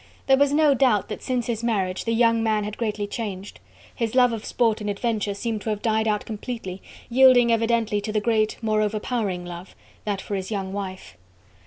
There was no doubt that since his marriage the young man had greatly changed. His love of sport and adventure seemed to have died out completely, yielding evidently to the great, more overpowering love, that for his young wife.